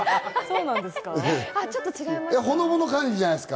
ちょっと違いますか？